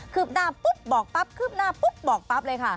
ืบหน้าปุ๊บบอกปั๊บคืบหน้าปุ๊บบอกปั๊บเลยค่ะ